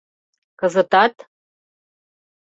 Кызытат...